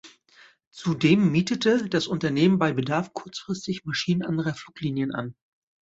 Zudem mietete das Unternehmen bei Bedarf kurzfristig Maschinen anderer Fluglinien an.